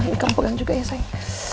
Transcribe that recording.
ini kamu pegang juga ya sayang